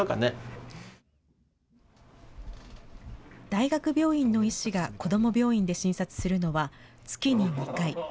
大学病院の医師がこども病院で診察するのは月に２回。